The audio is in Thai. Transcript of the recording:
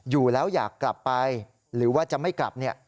อยู่แล้วอยากกลับไปหรือว่าจะไม่กลับ